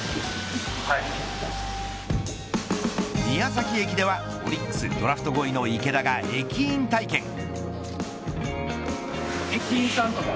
宮崎駅ではオリックスドラフト５位の池田が駅員体験。